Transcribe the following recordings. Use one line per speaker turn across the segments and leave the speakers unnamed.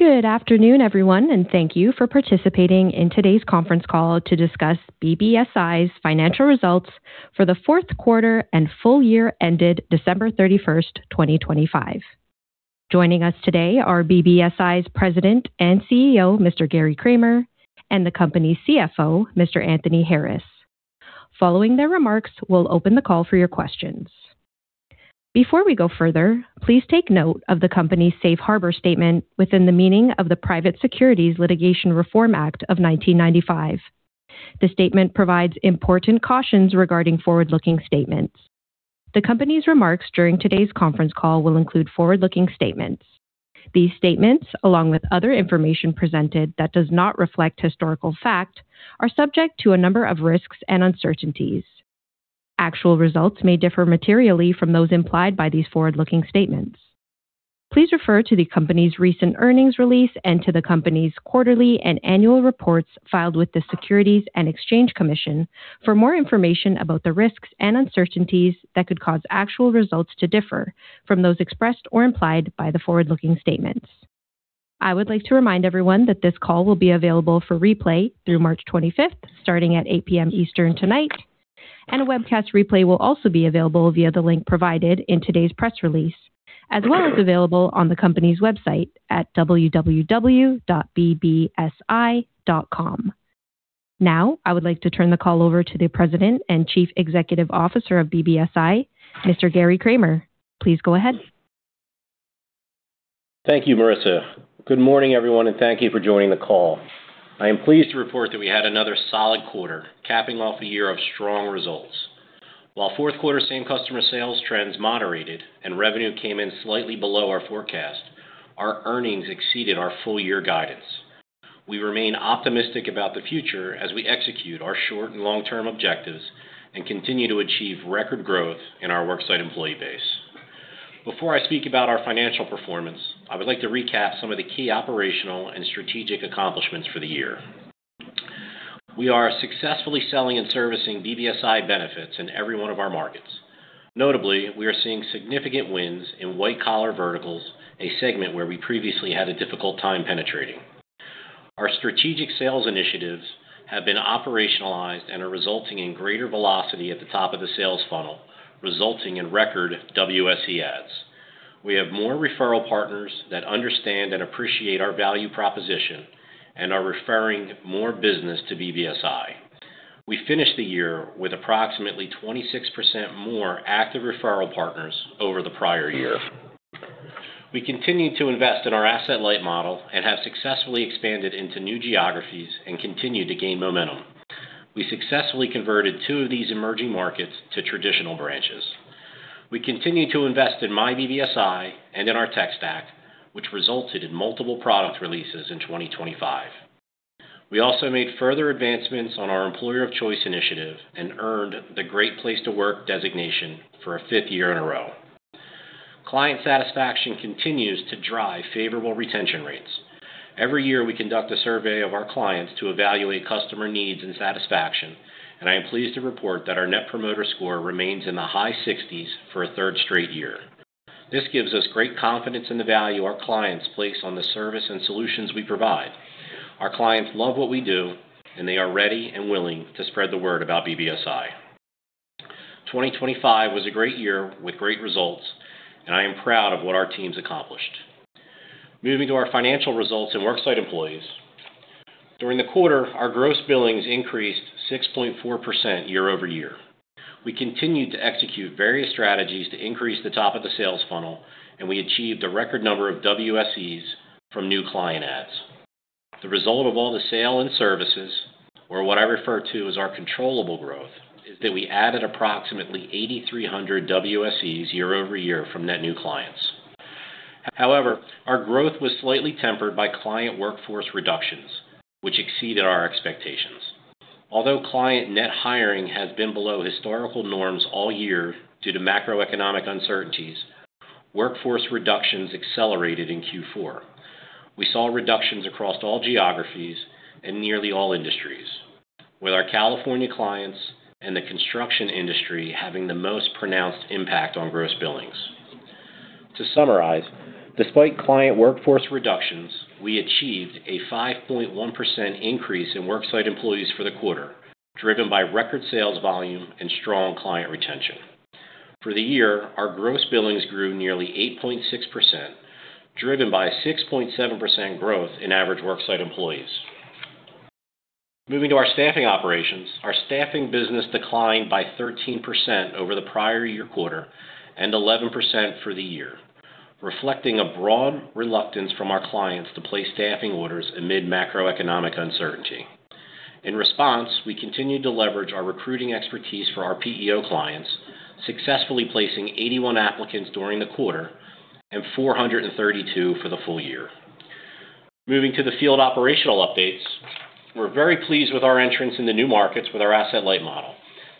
Good afternoon, everyone, and thank you for participating in today's conference call to discuss BBSI's financial results for the Q4 and full year ended December 31, 2025. Joining us today are BBSI's President and CEO, Mr. Gary Kramer, and the company's CFO, Mr. Anthony Harris. Following their remarks, we'll open the call for your questions. Before we go further, please take note of the company's Safe Harbor statement within the meaning of the Private Securities Litigation Reform Act of 1995. The statement provides important cautions regarding forward-looking statements. The company's remarks during today's conference call will include forward-looking statements. These statements, along with other information presented that does not reflect historical fact, are subject to a number of risks and uncertainties. Actual results may differ materially from those implied by these forward-looking statements. Please refer to the company's recent earnings release and to the company's quarterly and annual reports filed with the Securities and Exchange Commission for more information about the risks and uncertainties that could cause actual results to differ from those expressed or implied by the forward-looking statements. I would like to remind everyone that this call will be available for replay through March 25th, starting at 8:00 P.M. Eastern tonight. A webcast replay will also be available via the link provided in today's press release, as well as available on the company's website at www.bbsi.com. I would like to turn the call over to the President and Chief Executive Officer of BBSI, Mr. Gary Kramer. Please go ahead.
Thank you, Marissa. Good morning, everyone. Thank you for joining the call. I am pleased to report that we had another solid quarter, capping off a year of strong results. While Q4 same customer sales trends moderated and revenue came in slightly below our forecast, our earnings exceeded our full year guidance. We remain optimistic about the future as we execute our short and long-term objectives and continue to achieve record growth in our work site employee base. Before I speak about our financial performance, I would like to recap some of the key operational and strategic accomplishments for the year. We are successfully selling and servicing BBSI Benefits in every one of our markets. Notably, we are seeing significant wins in white-collar verticals, a segment where we previously had a difficult time penetrating. Our strategic sales initiatives have been operationalized and are resulting in greater velocity at the top of the sales funnel, resulting in record WSE ads. We have more referral partners that understand and appreciate our value proposition and are referring more business to BBSI. We finished the year with approximately 26% more active referral partners over the prior year. We continued to invest in our asset-light model and have successfully expanded into new geographies and continued to gain momentum. We successfully converted two of these emerging markets to traditional branches. We continued to invest in myBBSI and in our tech stack, which resulted in multiple product releases in 2025. We also made further advancements on our Employer of Choice initiative and earned the Great Place to Work designation for a fifth year in a row. Client satisfaction continues to drive favorable retention rates. Every year, we conduct a survey of our clients to evaluate customer needs and satisfaction, and I am pleased to report that our Net Promoter Score remains in the high 60s for a third straight year. This gives us great confidence in the value our clients place on the service and solutions we provide. Our clients love what we do, and they are ready and willing to spread the word about BBSI. 2025 was a great year with great results, and I am proud of what our teams accomplished. Moving to our financial results and worksite employees. During the quarter, our gross billings increased 6.4% year-over-year. We continued to execute various strategies to increase the top of the sales funnel, and we achieved a record number of WSEs from new client ads. The result of all the sale and services, or what I refer to as our controllable growth, is that we added approximately 8,300 WSEs year-over-year from net new clients. Our growth was slightly tempered by client workforce reductions, which exceeded our expectations. Client net hiring has been below historical norms all year due to macroeconomic uncertainties, workforce reductions accelerated in Q4. We saw reductions across all geographies and nearly all industries, with our California clients and the construction industry having the most pronounced impact on gross billings. To summarize, despite client workforce reductions, we achieved a 5.1% increase in worksite employees for the quarter, driven by record sales volume and strong client retention. For the year, our gross billings grew nearly 8.6%, driven by a 6.7% growth in average worksite employees. Moving to our staffing operations. Our staffing business declined by 13% over the prior year quarter and 11% for the year, reflecting a broad reluctance from our clients to place staffing orders amid macroeconomic uncertainty. In response, we continued to leverage our recruiting expertise for our PEO clients, successfully placing 81 applicants during the quarter and 432 for the full year. Moving to the field operational updates. We're very pleased with our entrance in the new markets with our asset-light model.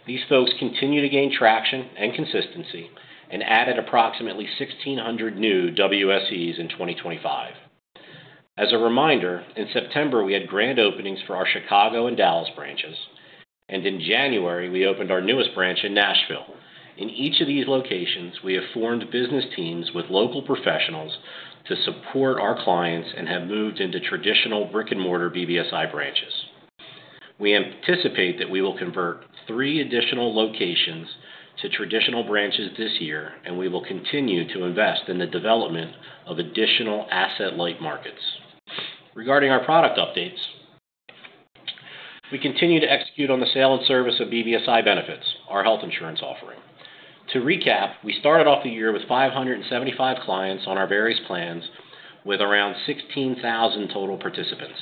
These folks continue to gain traction and consistency and added approximately 1,600 new WSEs in 2025. As a reminder, in September, we had grand openings for our Chicago and Dallas branches. In January, we opened our newest branch in Nashville. In each of these locations, we have formed business teams with local professionals to support our clients and have moved into traditional brick-and-mortar BBSI branches. We anticipate that we will convert three additional locations to traditional branches this year, and we will continue to invest in the development of additional asset-light markets. Regarding our product updates, we continue to execute on the sale and service of BBSI Benefits, our health insurance offering. To recap, we started off the year with 575 clients on our various plans, with around 16,000 total participants.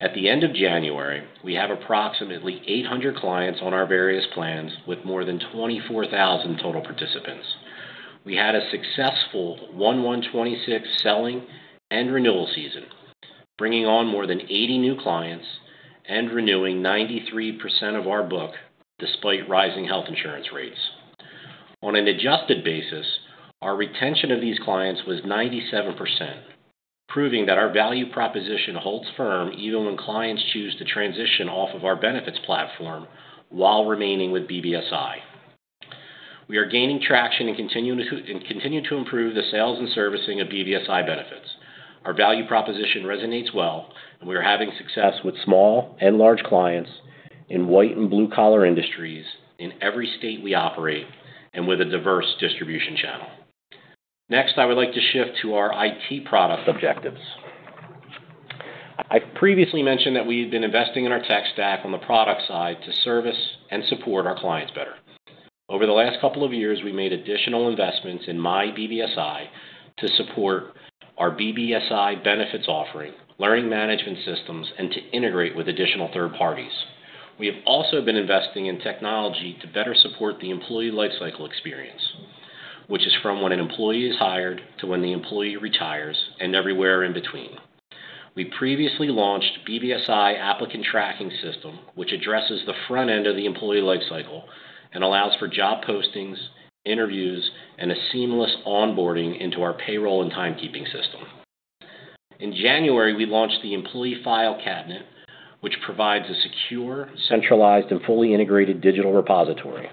At the end of January, we have approximately 800 clients on our various plans, with more than 24,000 total participants. We had a successful 1/1/2026 selling and renewal season, bringing on more than 80 new clients and renewing 93% of our book despite rising health insurance rates. On an adjusted basis, our retention of these clients was 97%, proving that our value proposition holds firm even when clients choose to transition off of our benefits platform while remaining with BBSI. We are gaining traction and continuing to improve the sales and servicing of BBSI Benefits. Our value proposition resonates well, and we are having success with small and large clients in white and blue-collar industries in every state we operate, and with a diverse distribution channel. Next, I would like to shift to our IT product objectives. I previously mentioned that we've been investing in our tech stack on the product side to service and support our clients better. Over the last couple of years, we made additional investments in myBBSI to support our BBSI Benefits offering, learning management systems, and to integrate with additional third parties. We have also been investing in technology to better support the employee lifecycle experience, which is from when an employee is hired to when the employee retires, and everywhere in between. We previously launched BBSI Applicant Tracking System, which addresses the front end of the employee lifecycle and allows for job postings, interviews, and a seamless onboarding into our payroll and timekeeping system. In January, we launched the Employee File Cabinet, which provides a secure, centralized, and fully integrated digital repository.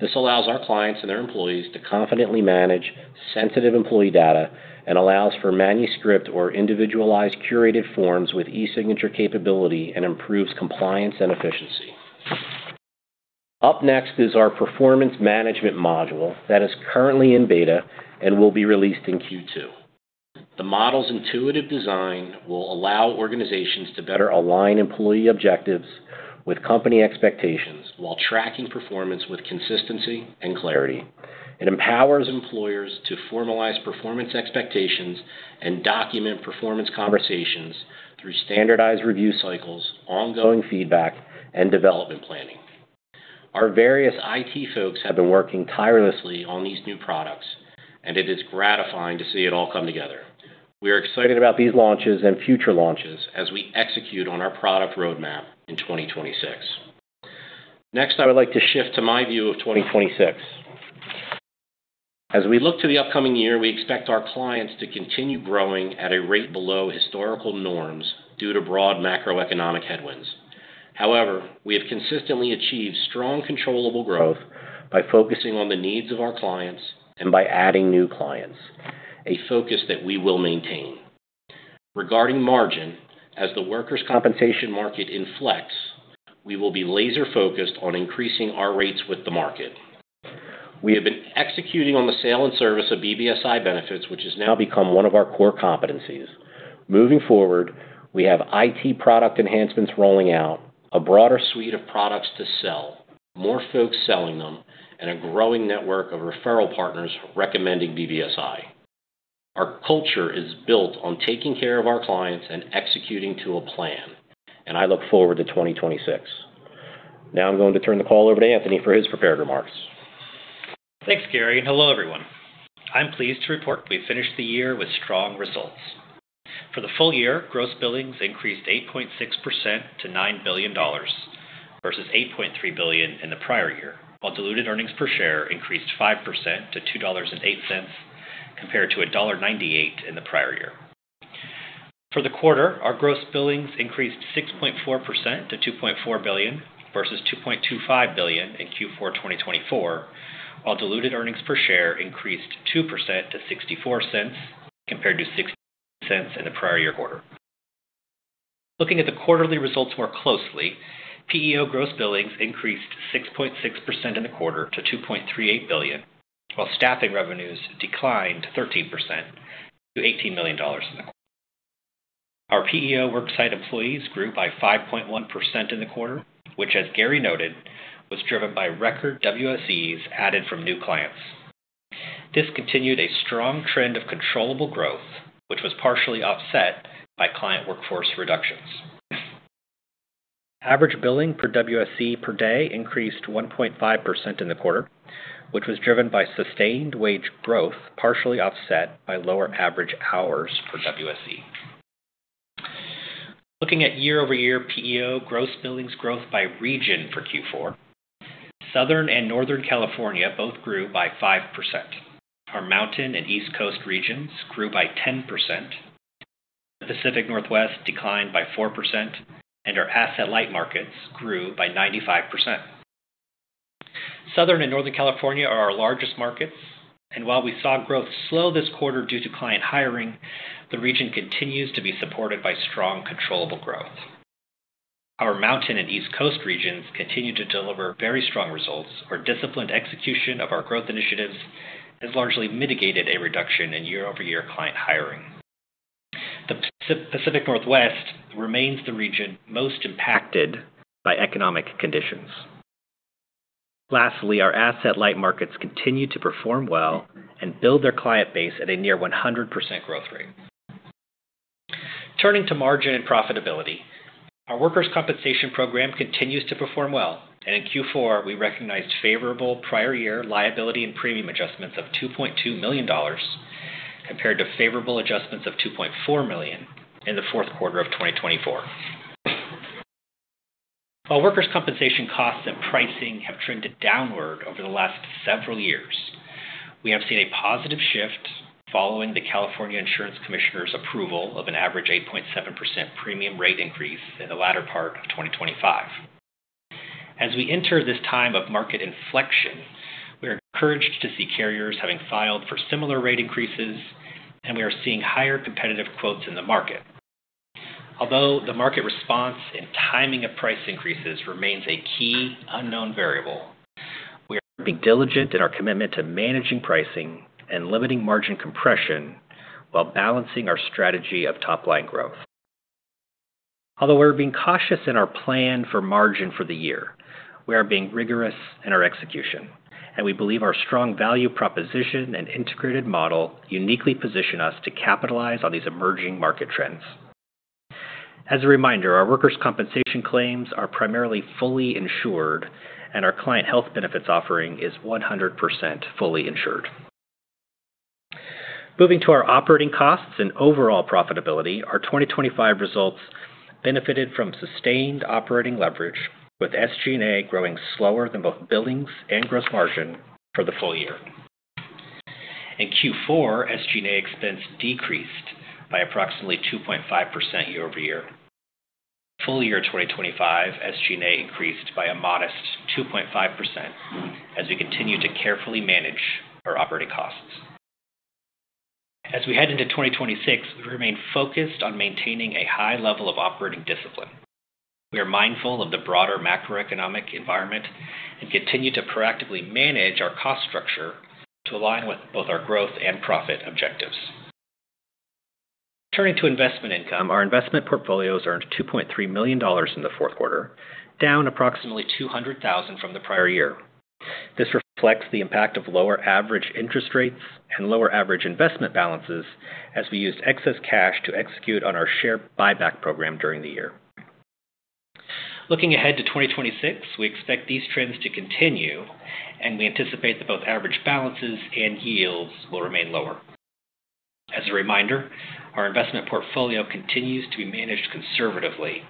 This allows our clients and their employees to confidently manage sensitive employee data and allows for manuscript or individualized curated forms with e-signature capability and improves compliance and efficiency. Up next is our performance management module that is currently in beta and will be released in Q2. The model's intuitive design will allow organizations to better align employee objectives with company expectations, while tracking performance with consistency and clarity. It empowers employers to formalize performance expectations and document performance conversations through standardized review cycles, ongoing feedback, and development planning. Our various IT folks have been working tirelessly on these new products. It is gratifying to see it all come together. We are excited about these launches and future launches as we execute on our product roadmap in 2026. Next, I would like to shift to my view of 2026. As we look to the upcoming year, we expect our clients to continue growing at a rate below historical norms due to broad macroeconomic headwinds. However, we have consistently achieved strong, controllable growth by focusing on the needs of our clients and by adding new clients, a focus that we will maintain. Regarding margin, as the workers' compensation market inflects, we will be laser-focused on increasing our rates with the market. We have been executing on the sale and service of BBSI Benefits, which has now become one of our core competencies. Moving forward, we have IT product enhancements rolling out, a broader suite of products to sell, more folks selling them, and a growing network of referral partners recommending BBSI. Our culture is built on taking care of our clients and executing to a plan. I look forward to 2026. Now I'm going to turn the call over to Anthony for his prepared remarks.
Thanks, Gary. Hello, everyone. I'm pleased to report we finished the year with strong results. For the full year, gross billings increased 8.6% to $9 billion, versus $8.3 billion in the prior year, while diluted earnings per share increased 5% to $2.08, compared to $1.98 in the prior year. For the quarter, our gross billings increased 6.4% to $2.4 billion, versus $2.25 billion in Q4 2024, while diluted earnings per share increased 2% to $0.64, compared to $0.60 in the prior year quarter. Looking at the quarterly results more closely, PEO gross billings increased 6.6% in the quarter to $2.38 billion, while staffing revenues declined 13% to $18 million in the... Our PEO worksite employees grew by 5.1% in the quarter, which, as Gary noted, was driven by record WSEs added from new clients. This continued a strong trend of controllable growth, which was partially offset by client workforce reductions. Average billing per WSE per day increased 1.5% in the quarter, which was driven by sustained wage growth, partially offset by lower average hours per WSE. Looking at year-over-year PEO gross billings growth by region for Q4, Southern and Northern California both grew by 5%. Our Mountain and East Coast regions grew by 10%. The Pacific Northwest declined by 4%, and our asset-light markets grew by 95%. Southern and Northern California are our largest markets, and while we saw growth slow this quarter due to client hiring, the region continues to be supported by strong, controllable growth. Our Mountain and East Coast regions continue to deliver very strong results, where disciplined execution of our growth initiatives has largely mitigated a reduction in year-over-year client hiring. The Pacific Northwest remains the region most impacted by economic conditions. Lastly, our asset-light markets continue to perform well and build their client base at a near 100% growth rate. Turning to margin and profitability, our workers' compensation program continues to perform well, and in Q4, we recognized favorable prior year liability and premium adjustments of $2.2 million, compared to favorable adjustments of $2.4 million in the Q4 of 2024. While workers' compensation costs and pricing have trended downward over the last several years, we have seen a positive shift following the California Insurance Commissioner's approval of an average 8.7% premium rate increase in the latter part of 2025. As we enter this time of market inflection, we are encouraged to see carriers having filed for similar rate increases, and we are seeing higher competitive quotes in the market. Although the market response and timing of price increases remains a key unknown variable, we are being diligent in our commitment to managing pricing and limiting margin compression while balancing our strategy of top-line growth. Although we're being cautious in our plan for margin for the year, we are being rigorous in our execution, and we believe our strong value, proposition, and integrated model uniquely position us to capitalize on these emerging market trends. As a reminder, our workers' compensation claims are primarily fully insured, and our client health benefits offering is 100% fully insured. Moving to our operating costs and overall profitability, our 2025 results benefited from sustained operating leverage, with SG&A growing slower than both billings and gross margin for the full year. In Q4, SG&A expense decreased by approximately 2.5% year-over-year. Full year 2025, SG&A increased by a modest 2.5% as we continued to carefully manage our operating costs. As we head into 2026, we remain focused on maintaining a high level of operating discipline. We are mindful of the broader macroeconomic environment and continue to proactively manage our cost structure to align with both our growth and profit objectives. Turning to investment income, our investment portfolios earned $2.3 million in the Q4, down approximately $200,000 from the prior year. This reflects the impact of lower average interest rates and lower average investment balances as we used excess cash to execute on our share buyback program during the year. Looking ahead to 2026, we expect these trends to continue. We anticipate that both average balances and yields will remain lower. As a reminder, our investment portfolio continues to be managed conservatively,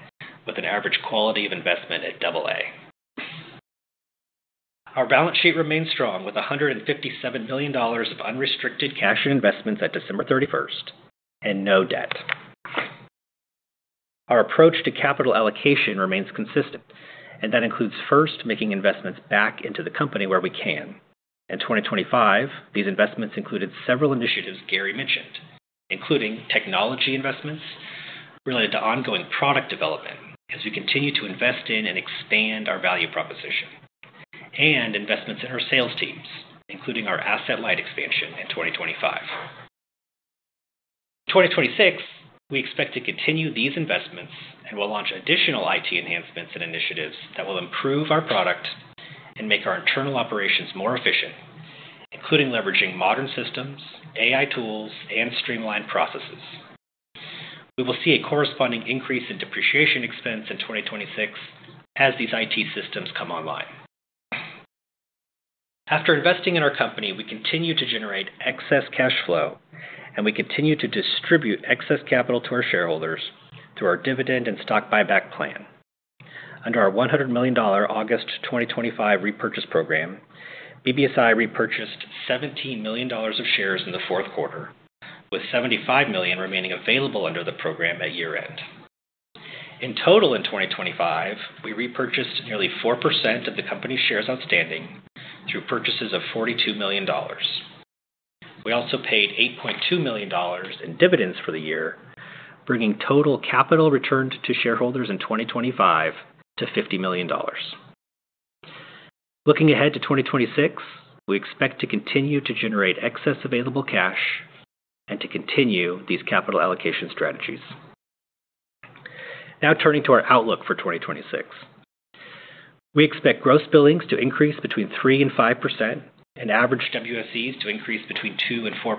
with an average quality of investment at AA. Our balance sheet remains strong, with $157 million of unrestricted cash and investments at December 31st, and no debt. Our approach to capital allocation remains consistent. That includes first making investments back into the company where we can. In 2025, these investments included several initiatives Gary mentioned, including technology investments related to ongoing product development as we continue to invest in and expand our value proposition, and investments in our sales teams, including our asset-light expansion in 2025. In 2026, we expect to continue these investments and will launch additional IT enhancements and initiatives that will improve our product and make our internal operations more efficient, including leveraging modern systems, AI tools, and streamlined processes. We will see a corresponding increase in depreciation expense in 2026 as these IT systems come online. After investing in our company, we continue to generate excess cash flow, and we continue to distribute excess capital to our shareholders through our dividend and stock buyback plan. Under our $100 million August 2025 repurchase program, BBSI repurchased $17 million of shares in the Q4, with $75 million remaining available under the program at year-end. In total, in 2025, we repurchased nearly 4% of the company's shares outstanding through purchases of $42 million. We also paid $8.2 million in dividends for the year, bringing total capital returned to shareholders in 2025 to $50 million. Looking ahead to 2026, we expect to continue to generate excess available cash and to continue these capital allocation strategies. Now, turning to our outlook for 2026. We expect gross billings to increase between 3% and 5% and average WSEs to increase between 2% and 4%.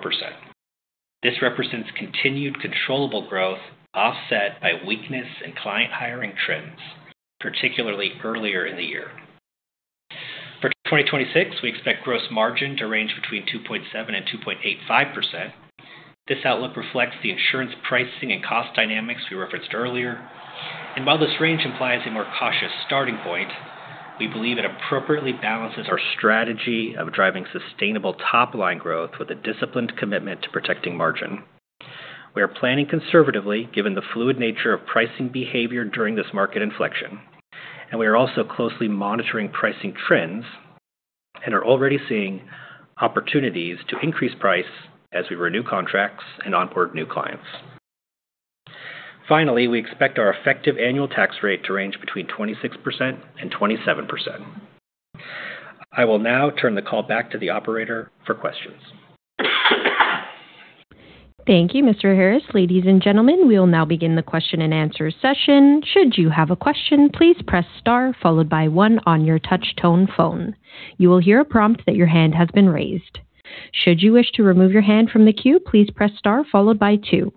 This represents continued controllable growth, offset by weakness in client hiring trends, particularly earlier in the year. For 2026, we expect gross margin to range between 2.7% and 2.85%. This outlook reflects the insurance pricing and cost dynamics we referenced earlier. While this range implies a more cautious starting point, we believe it appropriately balances our strategy of driving sustainable top-line growth with a disciplined commitment to protecting margin. We are planning conservatively, given the fluid nature of pricing behavior during this market inflection, and we are also closely monitoring pricing trends and are already seeing opportunities to increase price as we renew contracts and onboard new clients. Finally, we expect our effective annual tax rate to range between 26% and 27%. I will now turn the call back to the operator for questions.
Thank you, Mr. Harris. Ladies and gentlemen, we will now begin the question and answer session. Should you have a question, please press star followed by one on your touch-tone phone. You will hear a prompt that your hand has been raised. Should you wish to remove your hand from the queue, please press star followed by two.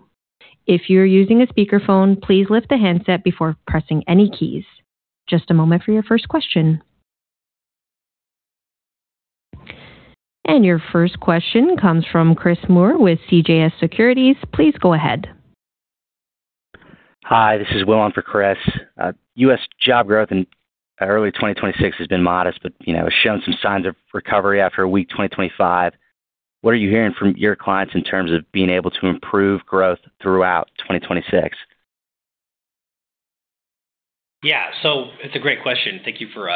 If you're using a speakerphone, please lift the handset before pressing any keys. Just a moment for your first question. Your first question comes from Christopher Moore with CJS Securities. Please go ahead.
Hi, this is Will on for Chris. U.S. job growth in early 2026 has been modest, but, you know, shown some signs of recovery after a weak 2025. What are you hearing from your clients in terms of being able to improve growth throughout 2026?
Yeah. It's a great question. Thank you for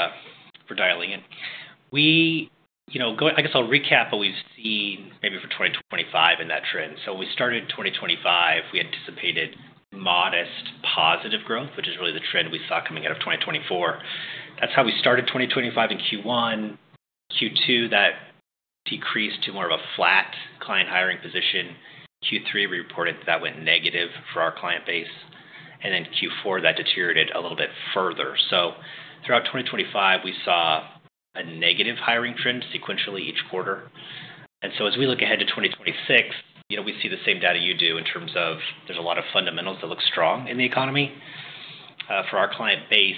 dialing in. You know, I guess I'll recap what we've seen maybe for 2025 in that trend. We started 2025, we anticipated modest positive growth, which is really the trend we saw coming out of 2024. That's how we started 2025 in Q1. Q2, that decreased to more of a flat client hiring position. Q3, we reported that went negative for our client base, Q4, that deteriorated a little bit further. Throughout 2025, we saw a negative hiring trend sequentially each quarter. As we look ahead to 2026, you know, we see the same data you do in terms of there's a lot of fundamentals that look strong in the economy. For our client base,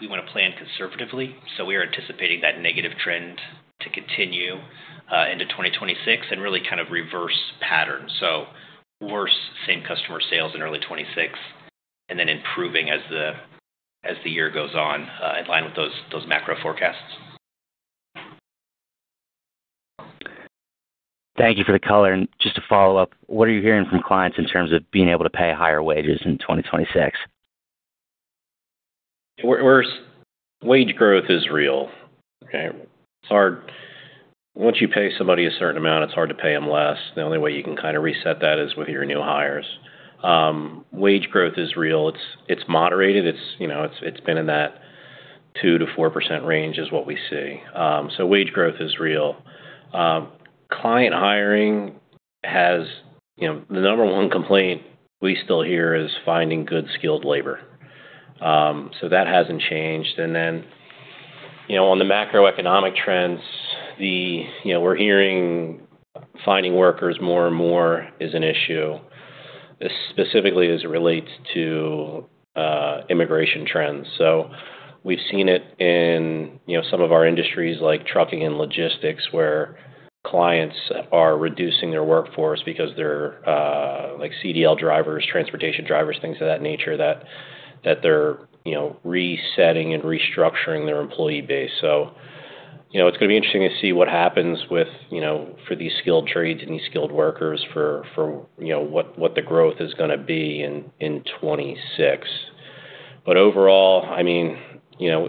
we want to plan conservatively, so we are anticipating that negative trend to continue, into 2026 and really kind of reverse pattern. Worse same-customer sales in early 2026 and then improving as the, as the year goes on, in line with those macro forecasts.
Thank you for the color. Just to follow up, what are you hearing from clients in terms of being able to pay higher wages in 2026?
We're Wage growth is real, okay? It's hard. Once you pay somebody a certain amount, it's hard to pay them less. The only way you can kind of reset that is with your new hires. Wage growth is real. It's moderated. It's, you know, it's been in that 2%-4% range is what we see. Wage growth is real. Client hiring has, you know, the number 1 complaint we still hear is finding good skilled labor. That hasn't changed. You know, on the macroeconomic trends, you know, we're hearing finding workers more and more is an issue, specifically as it relates to immigration trends. We've seen it in, you know, some of our industries, like trucking and logistics, where clients are reducing their workforce because they're like CDL drivers, transportation drivers, things of that nature, that they're, you know, resetting and restructuring their employee base. You know, it's going to be interesting to see what happens with, you know, for these skilled trades and these skilled workers for, you know, what the growth is going to be in 2026. Overall, I mean, you know,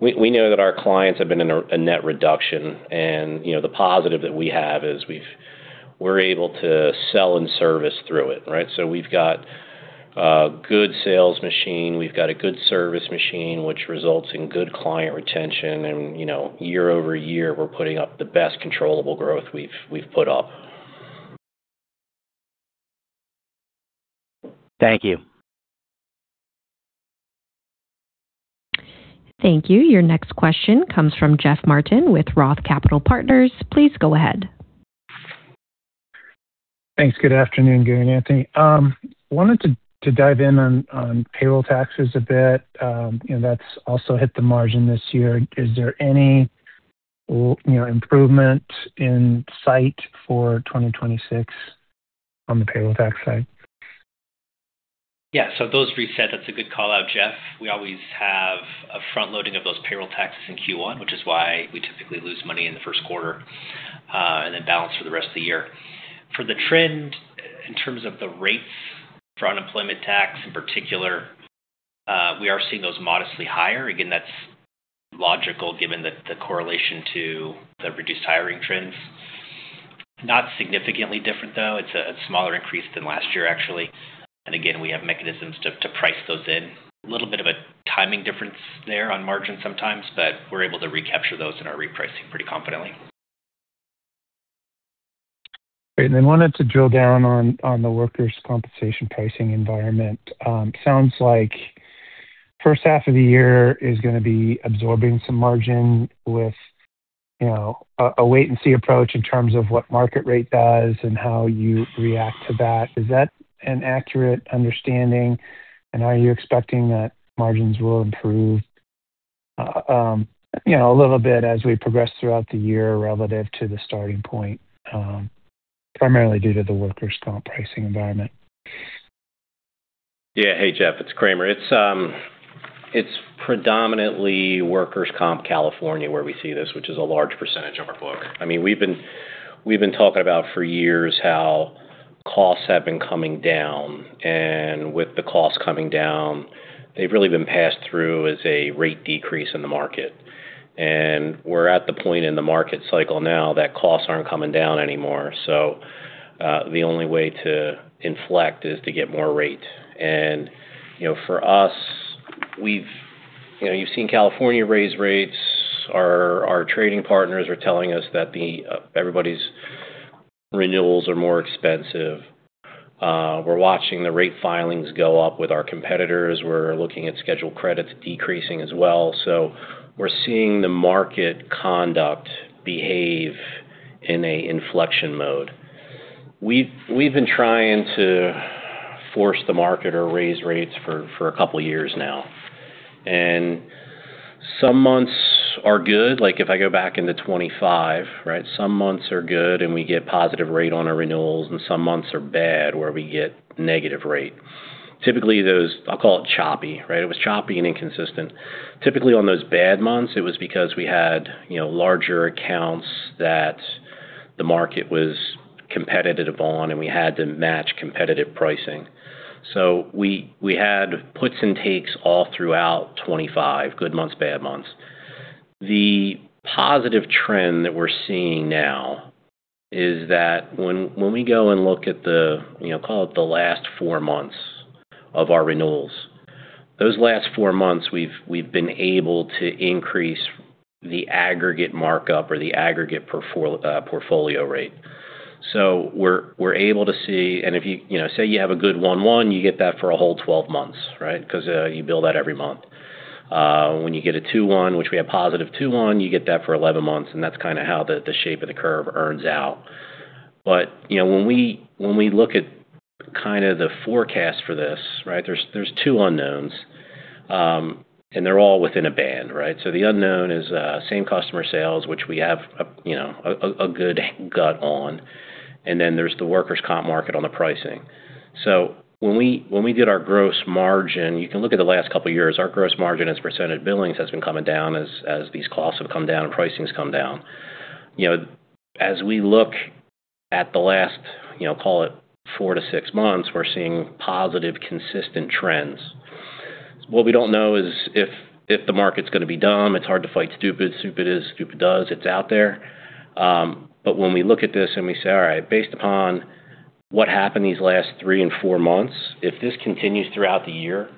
we know that our clients have been in a net reduction, and, you know, the positive that we have is we're able to sell and service through it, right? We've got a good sales machine, we've got a good service machine, which results in good client retention, and, you know, year-over-year, we're putting up the best controllable growth we've put up.
Thank you.
Thank you. Your next question comes from Jeff Martin with Roth Capital Partners. Please go ahead.
Thanks. Good afternoon, Gary and Anthony. wanted to dive in on payroll taxes a bit. you know, that's also hit the margin this year. Is there any, you know, improvement in sight for 2026 on the payroll tax side?
Yeah. Those reset, that's a good call-out, Jeff. We always have a front-loading of those payroll taxes in Q1, which is why we typically lose money in the Q1, then balance for the rest of the year. For the trend, in terms of the rates for unemployment tax in particular, we are seeing those modestly higher. Again, that's logical given the correlation to the reduced hiring trends. Not significantly different, though. It's a smaller increase than last year, actually. Again, we have mechanisms to price those in. A little bit of a timing difference there on margin sometimes, but we're able to recapture those in our repricing pretty confidently.
Great. Wanted to drill down on the workers' compensation pricing environment. Sounds like first half of the year is going to be absorbing some margin with, you know, a wait-and-see approach in terms of what market rate does and how you react to that. Is that an accurate understanding? Are you expecting that margins will improve? You know, a little bit as we progress throughout the year relative to the starting point, primarily due to the workers' comp pricing environment.
Hey, Jeff, it's Kramer. It's predominantly workers' comp California, where we see this, which is a large % of our book. I mean, we've been talking about for years how costs have been coming down, with the costs coming down, they've really been passed through as a rate decrease in the market. We're at the point in the market cycle now that costs aren't coming down anymore. The only way to inflect is to get more rate. You know, for us, you've seen California raise rates. Our trading partners are telling us that everybody's renewals are more expensive. We're watching the rate filings go up with our competitors. We're looking at scheduled credits decreasing as well. We're seeing the market conduct behave in a inflection mode. We've been trying to force the market or raise rates for a couple of years now. Some months are good. Like, if I go back into 25, right? Some months are good, we get positive rate on our renewals. Some months are bad, where we get negative rate. Typically, I'll call it choppy, right? It was choppy and inconsistent. Typically, on those bad months, it was because we had, you know, larger accounts that the market was competitive on. We had to match competitive pricing. We had puts and takes all throughout 25. Good months, bad months. The positive trend that we're seeing now is that when we go and look at the, you know, call it the last four months of our renewals, those last four months, we've been able to increase the aggregate markup or the aggregate portfolio rate. We're able to see, and if you know, say you have a good 1-1, you get that for a whole 12 months, right? Because you bill that every month. When you get a 2-1, which we have positive 2-1, you get that for 11 months, and that's kind of how the shape of the curve earns out. You know, when we look at kind of the forecast for this, right, there's two unknowns, and they're all within a band, right? The unknown is, same customer sales, which we have a, you know, a good gut on, and then there's the workers' comp market on the pricing. When we did our gross margin, you can look at the last couple of years, our gross margin as a % of billings has been coming down as these costs have come down and pricing has come down. You know, as we look at the last, you know, call it four to six months, we're seeing positive, consistent trends. What we don't know is if the market's going to be dumb, it's hard to fight stupid. Stupid is, stupid does. It's out there. When we look at this and we say, all right, based upon what happened these last three and four months, if this continues throughout the year,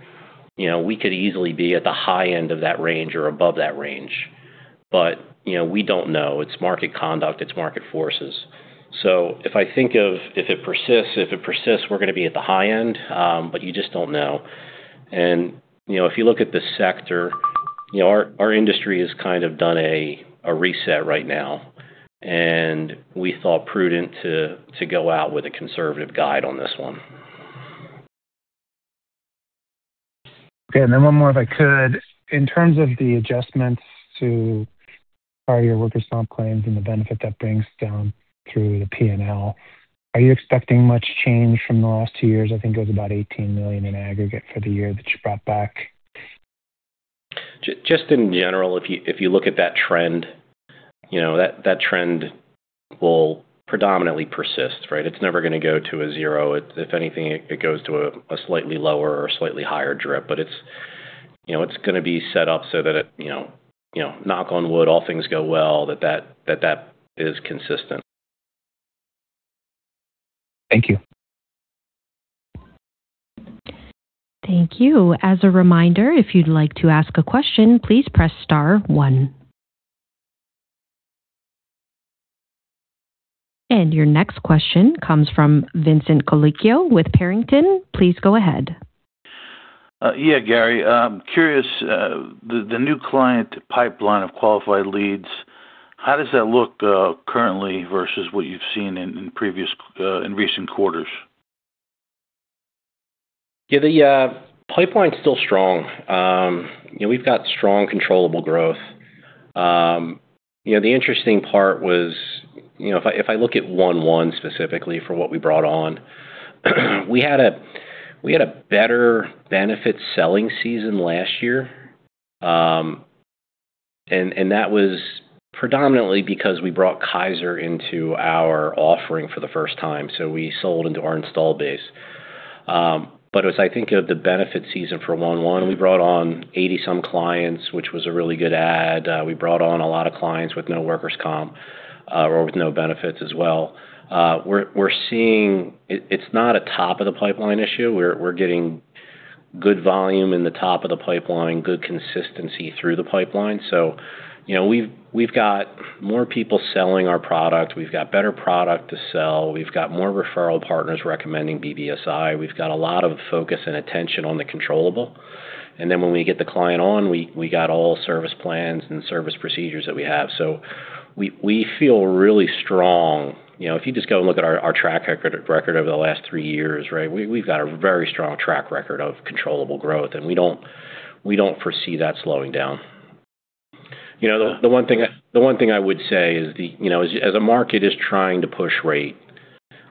you know, we could easily be at the high end of that range or above that range. You know, we don't know. It's market conduct, it's market forces. If it persists, we're going to be at the high end, but you just don't know. You know, if you look at the sector, you know, our industry has kind of done a reset right now, and we thought prudent to go out with a conservative guide on this one.
Okay, one more, if I could. In terms of the adjustments to your workers' comp claims and the benefit that brings down to the PNL, are you expecting much change from the last two years? I think it was about $18 million in aggregate for the year that you brought back.
Just in general, if you look at that trend, you know, that trend will predominantly persist, right? It's never going to go to a zero. If anything, it goes to a slightly lower or slightly higher drip. It's, you know, it's going to be set up so that it, you know, you know, knock on wood, all things go well, that is consistent.
Thank you.
Thank you. As a reminder, if you'd like to ask a question, please press Star one. Your next question comes from Vincent Colicchio with Barrington Research. Please go ahead.
Yeah, Gary, I'm curious, the new client pipeline of qualified leads, how does that look currently versus what you've seen in previous in recent quarters?
The pipeline's still strong. You know, we've got strong, controllable growth. You know, the interesting part was, you know, if I look at 1/1, specifically for what we brought on, we had a better benefit selling season last year. That was predominantly because we brought Kaiser into our offering for the first time, so we sold into our install base. As I think of the benefit season for 1/1, we brought on 80 some clients, which was a really good add. We brought on a lot of clients with no workers' comp or with no benefits as well. We're seeing. It's not a top-of-the-pipeline issue. We're getting good volume in the top of the pipeline, good consistency through the pipeline. You know, we've got more people selling our product. We've got better product to sell. We've got more referral partners recommending BBSI. We've got a lot of focus and attention on the controllable. Then when we get the client on, we got all service plans and service procedures that we have. We feel really strong. You know, if you just go and look at our track record over the last three years, right? We've got a very strong track record of controllable growth, and we don't foresee that slowing down. You know, the one thing I would say is, you know, as a market is trying to push rate,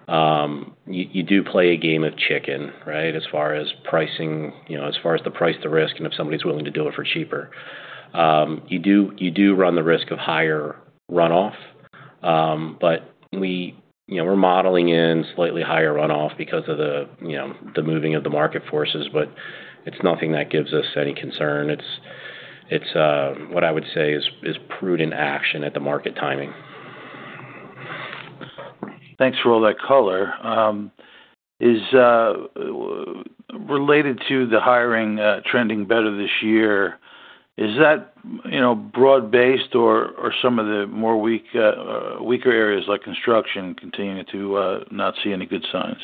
you do play a game of chicken, right? As far as pricing, you know, as far as the price, the risk, and if somebody's willing to do it for cheaper. You do run the risk of higher runoff, but we, you know, we're modeling in slightly higher runoff because of the, you know, the moving of the market forces, but it's nothing that gives us any concern. It's, what I would say is prudent action at the market timing.
Thanks for all that color. Is related to the hiring, trending better this year, is that, you know, broad-based or some of the more weaker areas like construction, continuing to not see any good signs?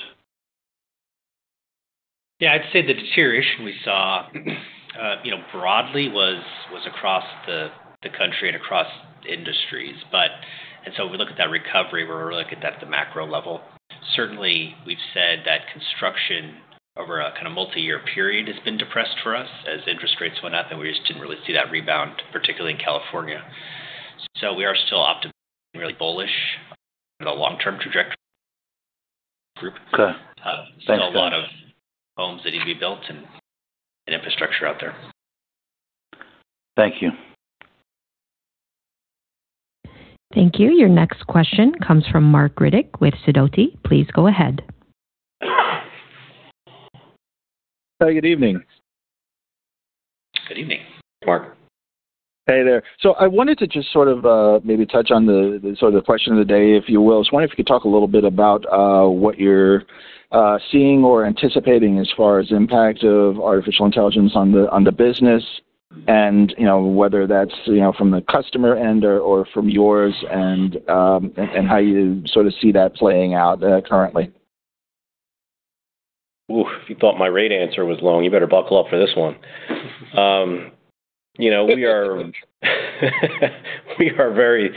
Yeah, I'd say the deterioration we saw, you know, broadly was across the country and across industries. We look at that recovery, where we look at that at the macro level. Certainly, we've said that construction over a kind of multi-year period has been depressed for us as interest rates went up, and we just didn't really see that rebound, particularly in California. We are still optimistic, really bullish on the long-term trajectory group.
Okay. Thanks.
There's a lot of homes that need to be built and infrastructure out there.
Thank you.
Thank you. Your next question comes from Marc Riddick with Sidoti. Please go ahead.
Hi, good evening.
Good evening, Marc.
Hey there. I wanted to just sort of maybe touch on the sort of the question of the day, if you will. I was wondering if you could talk a little bit about what you're seeing or anticipating as far as impact of artificial intelligence on the business, and, you know, whether that's, you know, from the customer end or from yours, and how you sort of see that playing out currently.
Oof! If you thought my rate answer was long, you better buckle up for this one. You know, we are very,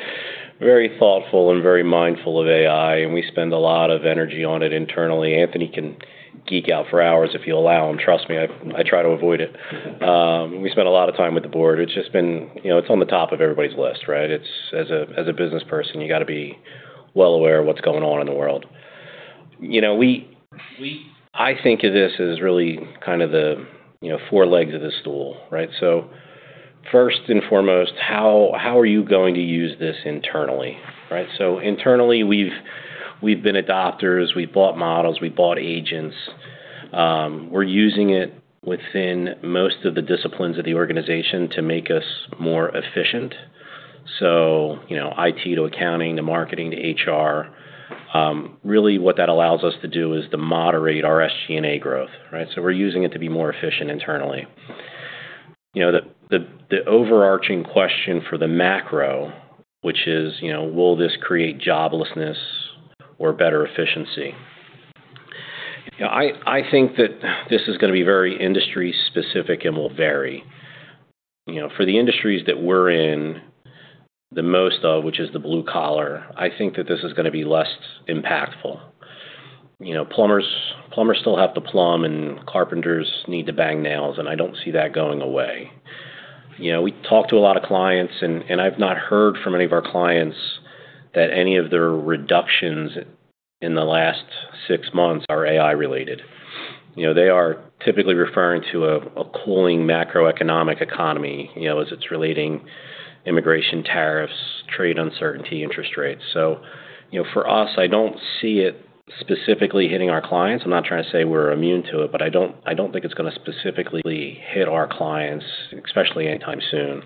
very thoughtful and very mindful of AI. We spend a lot of energy on it internally. Anthony can geek out for hours if you allow him. Trust me, I try to avoid it. We spend a lot of time with the board. It's just been. You know, it's on the top of everybody's list, right? It's as a, as a business person, you got to be well aware of what's going on in the world. You know, we I think of this as really kind of the, you know, four legs of the stool, right? First and foremost, how are you going to use this internally, right? Internally, we've been adopters, we've bought models, we've bought agents. We're using it within most of the disciplines of the organization to make us more efficient. You know, IT to accounting, to marketing, to HR. Really, what that allows us to do is to moderate our SG&A growth, right? We're using it to be more efficient internally. You know, the overarching question for the macro, which is, you know, will this create joblessness or better efficiency? You know, I think that this is going to be very industry-specific and will vary. You know, for the industries that we're in, the most of which is the blue collar, I think that this is going to be less impactful. You know, plumbers still have to plumb, and carpenters need to bang nails, and I don't see that going away. You know, we talk to a lot of clients, and I've not heard from any of our clients that any of their reductions in the last six months are AI-related. You know, they are typically referring to a cooling macroeconomic economy, you know, as it's relating immigration, tariffs, trade, uncertainty, interest rates. For us, I don't see it specifically hitting our clients. I'm not trying to say we're immune to it, but I don't think it's going to specifically hit our clients, especially anytime soon.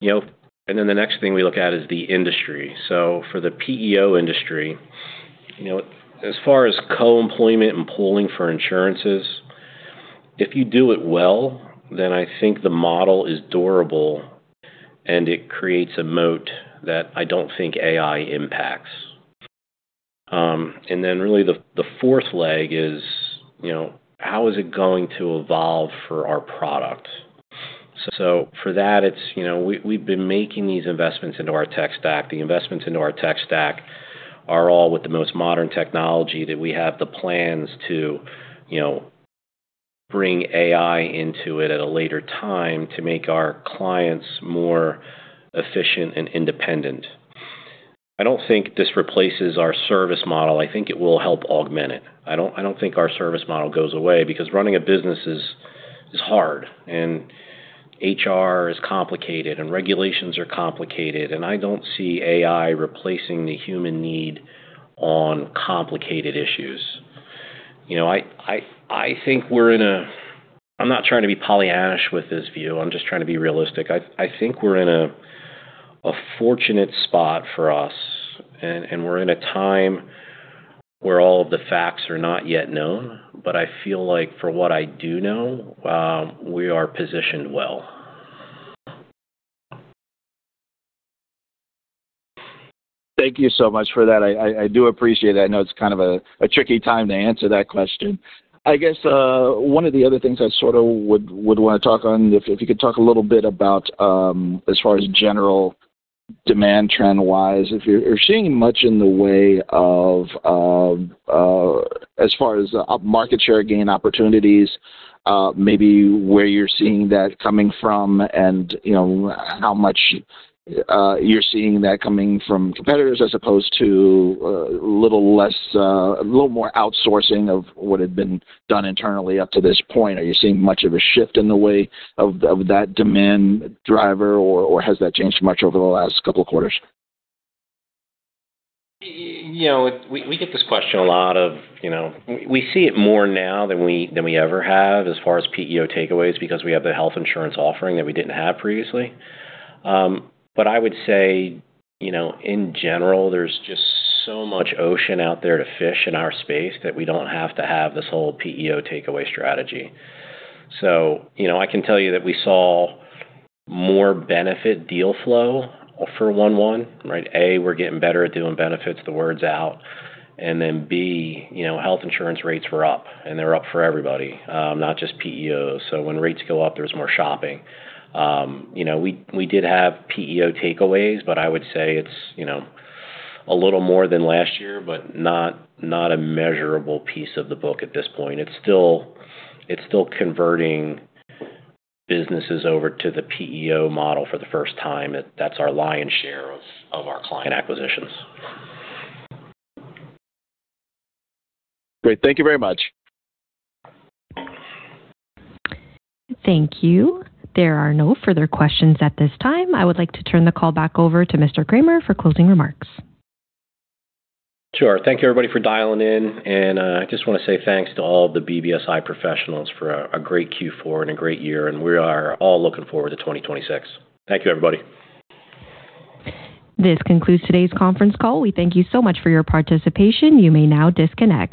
The next thing we look at is the industry. For the PEO industry, you know, as far as co-employment and pooling for insurances, if you do it well, then I think the model is durable, and it creates a moat that I don't think AI impacts. Really, the fourth leg is, you know, how is it going to evolve for our product? For that, it's, you know, we've been making these investments into our tech stack. The investments into our tech stack are all with the most modern technology, that we have the plans to, you know, bring AI into it at a later time to make our clients more efficient and independent. I don't think this replaces our service model. I think it will help augment it. I don't think our service model goes away because running a business is hard, and HR is complicated, and regulations are complicated, and I don't see AI replacing the human need on complicated issues. You know, I think we're in a. I'm not trying to be Pollyanna-ish with this view. I'm just trying to be realistic. I think we're in a fortunate spot for us, and we're in a time where all of the facts are not yet known. I feel like for what I do know, we are positioned well.
...Thank you so much for that. I do appreciate that. I know it's kind of a tricky time to answer that question. I guess one of the other things I sort of would want to talk on, if you could talk a little bit about as far as general demand trend-wise, if you're seeing much in the way of as far as market share gain opportunities, maybe where you're seeing that coming from and, you know, how much you're seeing that coming from competitors as opposed to little less, a little more outsourcing of what had been done internally up to this point. Are you seeing much of a shift in the way of that demand driver, or has that changed much over the last couple of quarters?
You know, we get this question a lot. You know, we see it more now than we ever have as far as PEO takeaways, because we have the health insurance offering that we didn't have previously. I would say, you know, in general, there's just so much ocean out there to fish in our space that we don't have to have this whole PEO takeaway strategy. I can tell you that we saw more benefit deal flow for 1/1, right? A, we're getting better at doing benefits, the word's out, B, you know, health insurance rates were up, and they're up for everybody, not just PEOs. When rates go up, there's more shopping. You know, we did have PEO takeaways, but I would say it's, you know, a little more than last year, but not a measurable piece of the book at this point. It's still converting businesses over to the PEO model for the first time. That's our lion's share of our client acquisitions.
Great. Thank you very much.
Thank you. There are no further questions at this time. I would like to turn the call back over to Gary Kramer for closing remarks.
Sure. Thank you, everybody, for dialing in, and I just want to say thanks to all the BBSI professionals for a great Q4 and a great year, and we are all looking forward to 2026. Thank you, everybody.
This concludes today's conference call. We thank you so much for your participation. You may now disconnect.